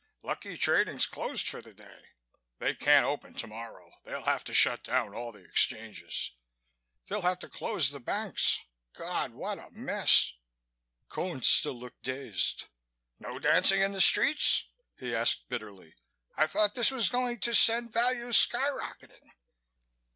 Lucky trading's closed for the day. They can't open tomorrow. They'll have to shut down all the exchanges. They'll have to close the banks. God! What a mess!" Cone still looked dazed. "No dancing in the streets?" he asked bitterly. "I thought this was going to send values sky rocketing."